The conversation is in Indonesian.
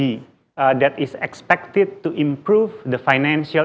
yang diharapkan untuk meningkatkan ekosistem finansial